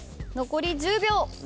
残り１０秒。